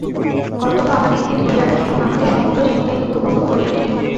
কর্তব্য আমাদিগকে ধরিয়া রাখে এবং আমাদের সমগ্র জীবনটাই দুঃখপূর্ণ করিয়া তুলে।